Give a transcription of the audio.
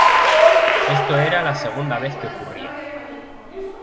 Esto era la segunda vez que ocurría.